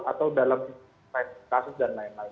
atau dalam kasus dan lain lain